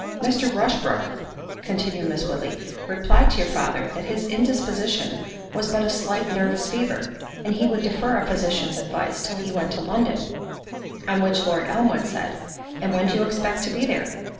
"Mr. Rushbrook," continued Miss Woodley, "replied to your father, that his indisposition was but a slight nervous fever, and he would defer a physician's advice till he went to London"—on which Lord Elmwood said, "And when do you expect to be there?"